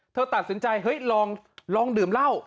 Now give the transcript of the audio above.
เธอตัดสินใจลองดื่มเล่า